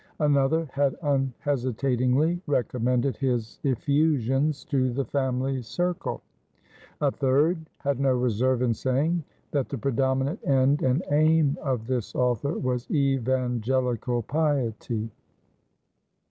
Another, had unhesitatingly recommended his effusions to the family circle. A third, had no reserve in saying, that the predominant end and aim of this author was evangelical piety.